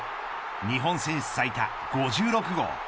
日本選手最多、５６号。